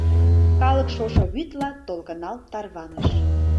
Калык шошо вӱдла толкыналт тарваныш.